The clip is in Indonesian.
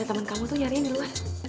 iya pada temen kamu tuh nyariin di luar